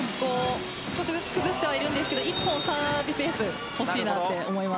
少しずつ崩してはいるんですが１本サービスエース欲しいなと思います。